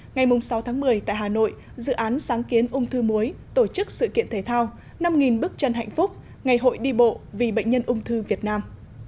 ngày sáu tháng một mươi tại hà nội dự án sáng kiến ung thư muối tổ chức sự kiện thể thao năm bước chân hạnh phúc ngày hội đi bộ vì bệnh nhân ung thư việt nam